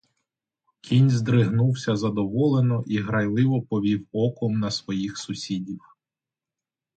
Кінь здригнувся задоволено і грайливо повів оком на своїх сусідів.